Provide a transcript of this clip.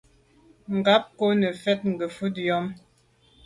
Ngab kô nefèt ngefet yàme.